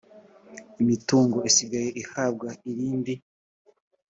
imitungo isigaye ihabwa irindi